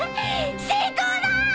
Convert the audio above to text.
成功だ！